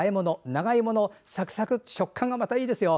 長芋のサクサク食感がいいですよ。